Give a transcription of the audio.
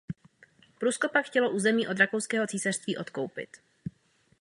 Prusko pak chtělo území od Rakouského císařství odkoupit.